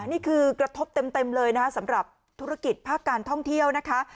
นี่คือกระทบเต็มเลยนะคะสำหรับธุรกิจภาคการท่องเที่ยวนะคะ